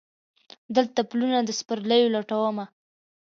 دلته پلونه د سپرلیو لټومه